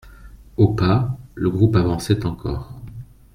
Au pas, le groupe avançait encore.